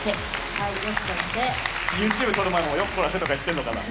ＹｏｕＴｕｂｅ撮る前も「よっこらせ」とか言ってんのかな。